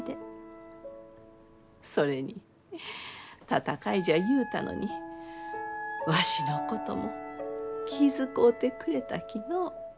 それに戦いじゃ言うたのにわしのことも気遣うてくれたきのう。